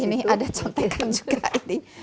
ini ada contetan juga ini